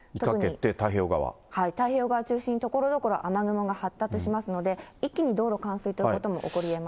太平洋側中心に、ところどころ雨雲が発達しますので、一気に道路冠水ということも起こりえます。